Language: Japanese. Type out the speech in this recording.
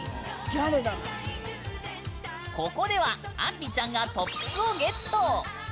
ここではあんりちゃんがトップスをゲット！